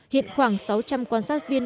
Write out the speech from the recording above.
hiện khoảng sáu trăm linh quan sát viên